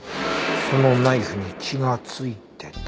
そのナイフに血が付いてた。